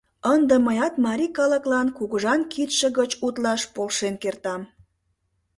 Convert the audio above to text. Ынде мыят марий калыклан кугыжан кидше гыч утлаш полшен кертам.